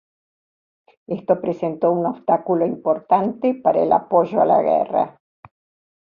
Esto presentó un obstáculo importante para el apoyo a la guerra.